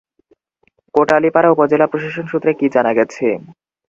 কোটালীপাড়া উপজেলা প্রশাসন সূত্রে কি জানা গেছে?